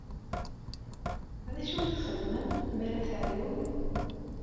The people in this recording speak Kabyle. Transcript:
D acu i txeddmem mi ara ad teɛyum?